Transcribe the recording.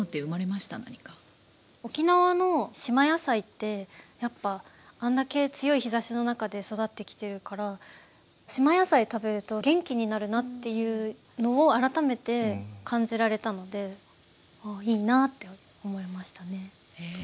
沖縄の島野菜ってやっぱあれだけ強い日ざしの中で育ってきてるからっていうのを改めて感じられたのでいいなぁって思いましたね。